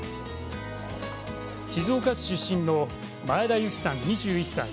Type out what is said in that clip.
静岡市出身の前田結嬉さん２１歳。